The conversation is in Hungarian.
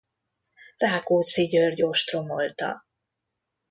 Rákóczi György ostromolta.